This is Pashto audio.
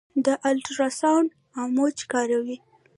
د الټراساونډ امواج کاروي.